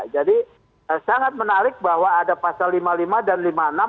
jadi sangat menarik bahwa ada pasal lima puluh lima dan lima puluh enam